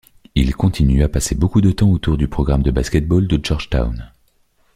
Il continue à passer beaucoup de temps autour du programme de basketball de Georgetown.